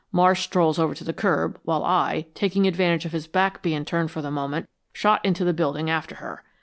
Marsh strolls over to the curb, while I, taking advantage of his back being turned for the moment, shot into the building after her.